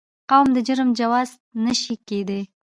قوم د جرم جواز نه شي کېدای.